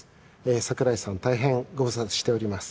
櫻井さん大変ご無沙汰しております。